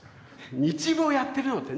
「日舞をやってるの⁉」って。